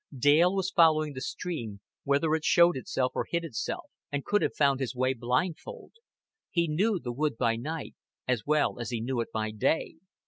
Dale was following the stream, whether it showed itself or hid itself, and could have found his way blindfold. He knew the wood by night as well as he knew it by day.